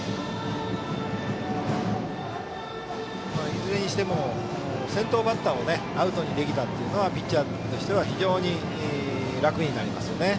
いずれにしても先頭バッターをアウトにできたというのはピッチャーとしては非常に楽になりますよね。